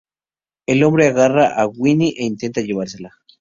El hombre agarra a Winnie e intenta llevársela.